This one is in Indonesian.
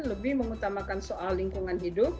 lebih mengutamakan soal lingkungan hidup